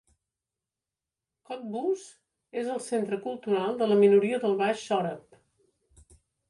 Cottbus és el centre cultural de la minoria del baix sòrab.